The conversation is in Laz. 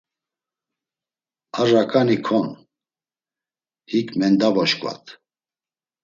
Ar raǩani kon, hik mendavoşkvat.